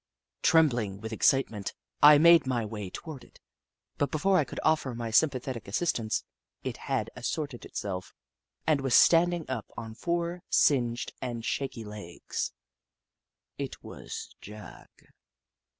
Trembling with excitement, I made 34 The Book of Clever Beasts my way toward it, but before I could offer my sympathetic assistance, it had assorted itself and was standing up on four singed and shaky legs. It was Jagg.